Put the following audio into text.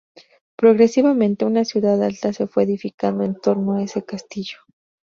Progresivamente, una ciudad alta se fue edificando en torno a ese castillo.